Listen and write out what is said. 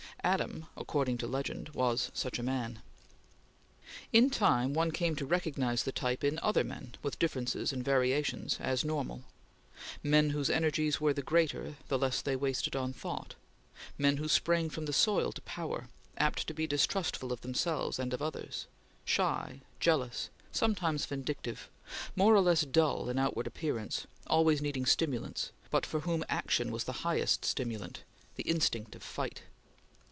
Adam, according to legend, was such a man. In time one came to recognize the type in other men, with differences and variations, as normal; men whose energies were the greater, the less they wasted on thought; men who sprang from the soil to power; apt to be distrustful of themselves and of others; shy; jealous; sometimes vindictive; more or less dull in outward appearance; always needing stimulants, but for whom action was the highest stimulant the instinct of fight.